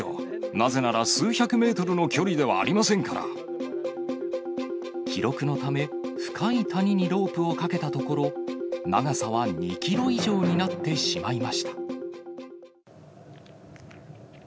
なぜなら数百メートルの距離では記録のため、深い谷にロープをかけたところ、長さは２キロ以上になってしまいました。